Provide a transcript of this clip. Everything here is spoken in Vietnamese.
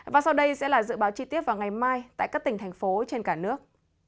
và sau đây sẽ là dự báo chi tiết vào ngày mai tại các tỉnh thành phố trên cả nước